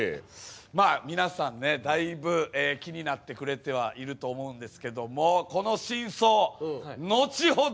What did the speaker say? まあ皆さんねだいぶ気になってくれてはいると思うんですけどもこの真相後ほど！